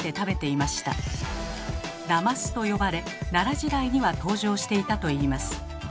「なます」と呼ばれ奈良時代には登場していたといいます。